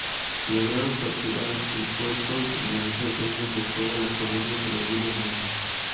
Lograron capturar el puerto y permanecer dueños de toda la colonia por algunos meses.